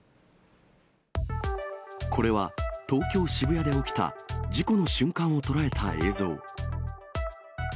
これは、東京・渋谷で起きた事故の瞬間を捉えた映像。